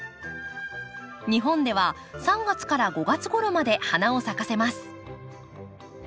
日本では３月から５月ごろまで花を咲かせます。